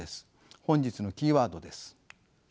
本日のキーワードです。